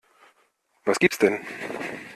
Was gibt's denn?